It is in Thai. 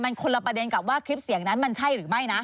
มันคนละประเด็นกับว่าคลิปเสียงนั้นมันใช่หรือไม่นะ